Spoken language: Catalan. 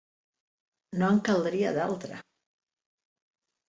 No en caldria d'altra!